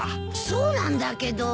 そうなんだけど